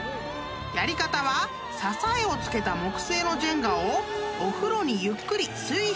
［やり方は支えを付けた木製のジェンガをお風呂にゆっくり水平に入れるだけ］